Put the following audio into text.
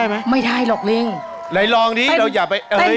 ยอมจำนวนเธอและวันนี้แค่แรงเห็นหน้า